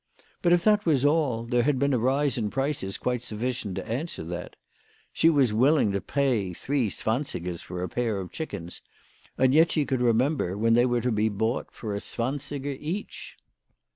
But, if that was all, there had been a rise in prices quite sufficient to answer that. She was willing to pay three zwansigers a pair for chickens, and yet she could remember when they were to be bought for a zwansiger each.